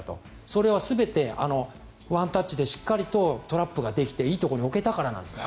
それは全てワンタッチでしっかりとトラップができていいところに置けたからなんですね。